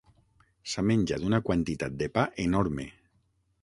S'ha menjat una quantitat de pa enorme.